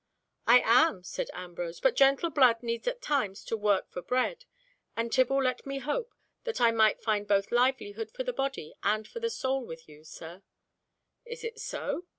"I am," said Ambrose; "but gentle blood needs at times to work for bread, and Tibble let me hope that I might find both livelihood for the body and for the soul with you, sir." "Is it so?"